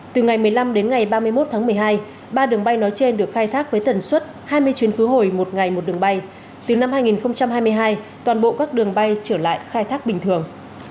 từ ngày một mươi năm đến ngày ba mươi một tháng một mươi hai ba đường bay nói trên được khai thác với tần suất hai mươi chuyến khứ hồi một ngày một đường bay từ năm hai nghìn hai mươi hai toàn bộ các đường bay trở lại khai thác bình thường